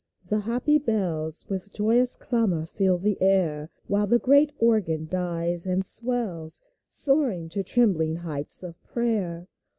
The happy bells With joyous clamor fill the air, While the great organ dies and swells, Soaring to trembling heights of prayer